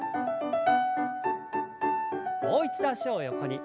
もう一度脚を横に。